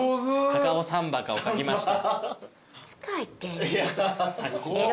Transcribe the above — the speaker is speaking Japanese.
カカオ３バカを描きました。